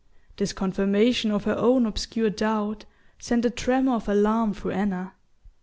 This confirmation of her own obscure doubt sent a tremor of alarm through Anna.